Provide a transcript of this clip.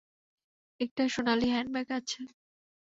একটা সোনালী হ্যান্ডব্যাগ আছে।